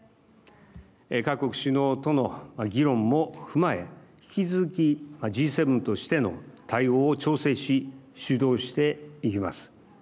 各国首脳との議論も踏まえ引き続きＧ７としての対応を調整し主導していきます。